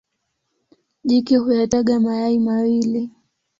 Jike huyataga mayai mawili.